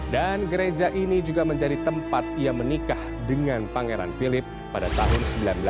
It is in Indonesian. dan gereja ini juga menjadi tempat ia menikah dengan pangeran philip pada tahun seribu sembilan ratus empat puluh tujuh